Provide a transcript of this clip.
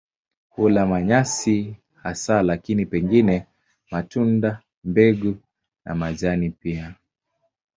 Hula manyasi hasa lakini pengine matunda, mbegu na majani pia.